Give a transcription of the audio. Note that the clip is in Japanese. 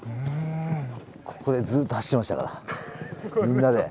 ここでずっと走ってましたからみんなで。